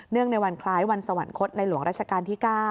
ในวันคล้ายวันสวรรคตในหลวงราชการที่๙